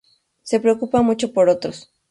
Se preocupa mucho por otros.